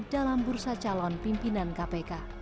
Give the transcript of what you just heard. dalam bursa calon pimpinan kpk